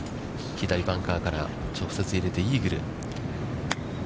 左バンカーから直接、入れて、イーグル。